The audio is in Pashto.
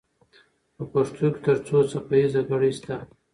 په پښتو کې تر څو څپه ایزه ګړې سته؟